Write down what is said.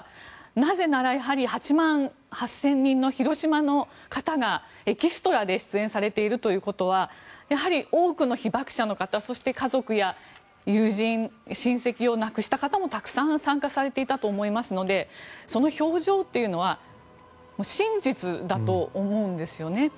なぜなら８万８０００人の広島の方がエキストラで出演されているということはやはり、多くの被爆者の方そして家族や友人親戚を亡くした方もたくさん参加されていたと思いますのでその表情というのは真実だと思うんですよね。